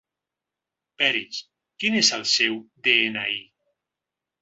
Peris, quin és el seu de-ena-i?